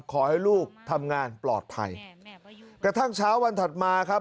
ขอให้ลูกทำงานปลอดภัยกระทั่งเช้าวันถัดมาครับ